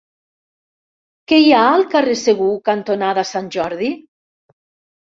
Què hi ha al carrer Segur cantonada Sant Jordi?